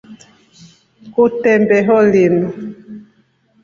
Kutembeho linu.